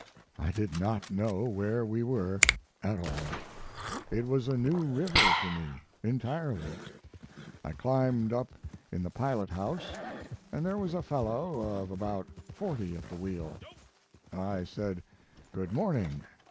I did not know where we were at all. It was a new river to me entirely. I climbed up in the pilot house and there was a fellow of about forty at the wheel. I said 'Good morning.'